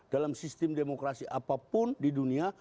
dalam sistem demokrasi apapun di dunia